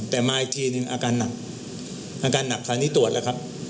แต่มาอีกทีนึงอาการหนักอาการหนักคราวนี้ตรวจแล้วครับ